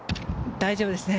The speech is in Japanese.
大丈夫ですね。